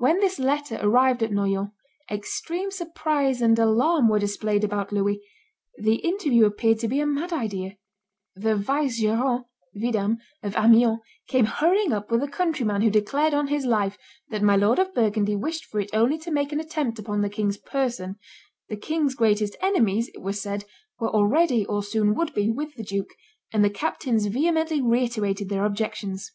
[Illustration: Charles the Rash 203] When this letter arrived at Noyon, extreme surprise and alarm were displayed about Louis; the interview appeared to be a mad idea; the vicegerent (vidam) of Amiens came hurrying up with a countryman who declared on his life that mylord of Burgundy wished for it only to make an attempt upon the king's person; the king's greatest enemies, it was said, were already, or soon would be, with the duke; and the captains vehemently reiterated their objections.